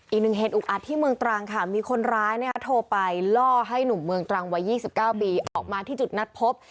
อีกหนึ่งเหตุอุกอัดที่เมืองตรังค่ะมีคนร้ายโทรไปล่อให้หนุ่มเมืองตรังวัย๒๙ปีออกมาที่จุดนัดพบ